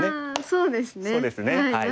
そうですね。